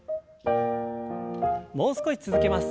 もう少し続けます。